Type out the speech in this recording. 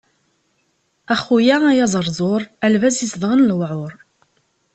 A xuya ay aẓerẓur, a lbaz izedɣen lewɛur.